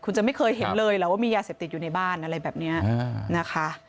คุณจะไม่เคยเห็นเลยเหรอว่ามียาเสพติดอยู่ในบ้านอะไรแบบนี้นะคะ